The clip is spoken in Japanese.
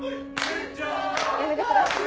やめてください。